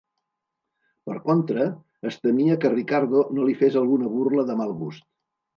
Per contra, es temia que Ricardo no li fes alguna burla de mal gust.